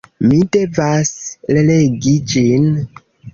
Mi devas relegi ĝin.